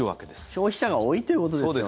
消費者が多いということですよね。